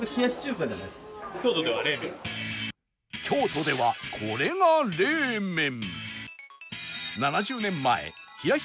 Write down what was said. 京都ではこれが冷麺